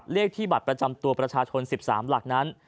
เลขที่บัตรประจำตัวประชาชน๑๓หลักนั้น